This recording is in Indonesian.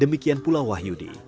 demikian pula wahyudi